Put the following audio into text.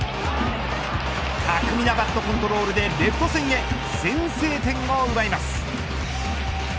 巧みなバットコントロールでレフト線へ先制点を奪います。